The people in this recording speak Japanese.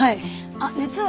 あっ熱は？